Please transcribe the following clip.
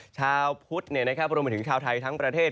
ชาวพุทธเนี่ยนะครับโปรดมนติได้ถูกชาวไทยทั้งประเทศ